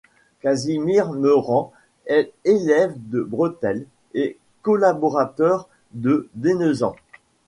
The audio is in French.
Casimir Meurant est élève de Bretel et collaborateur de Denezan.